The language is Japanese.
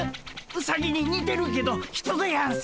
ウサギににてるけど人でやんす。